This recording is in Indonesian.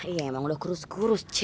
iya emang sudah kurus kurus cik